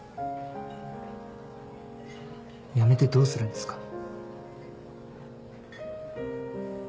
辞めてどうするんですか？